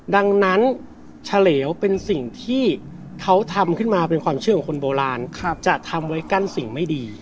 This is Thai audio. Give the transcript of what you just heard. ดังนั้นเฉลวเป็นสิ่งที่เขาทำขึ้นมาเป็นความเชื่อของคนโบราณจะทำไว้กั้นสิ่งไม่ดี